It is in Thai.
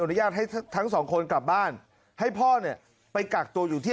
ญาตให้ทั้งสองคนกลับบ้านให้พ่อเนี่ยไปกักตัวอยู่ที่